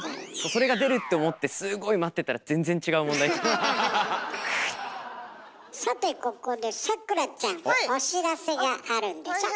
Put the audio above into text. それが出るって思ってすごい待ってたらさてここでサクラちゃんお知らせがあるんでしょ？